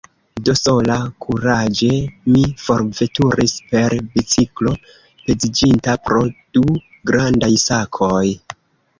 Do, sola, kuraĝe mi forveturis per biciklo, peziĝinta pro du grandaj sakoj.